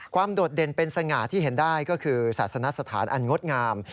โดดเด่นเป็นสง่าที่เห็นได้ก็คือศาสนสถานอันงดงาม